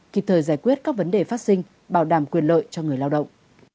kịp thời giải quyết các vấn đề phát sinh bảo đảm quyền lợi cho người lao động